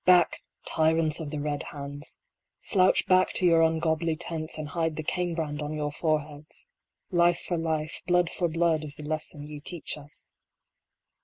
Back, tyrants of the red hands ! Slouch back to your ungodly tents, and hide the Cain brand on your foreheads ! Life for life, blood for blood, is the lesson ye teach us.